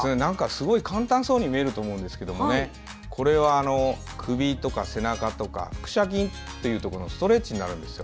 簡単そうに見えますがこれは首とか背中とか腹斜筋というところのストレッチになるんですよ。